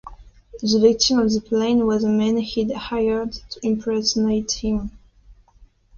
The victim on the plane was a man he'd hired to impersonate him.